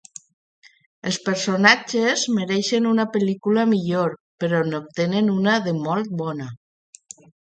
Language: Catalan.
Els personatges mereixen una pel·lícula millor, però n'obtenen una de molt bona.